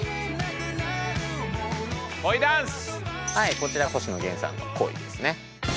こちら星野源さんの「恋」ですね。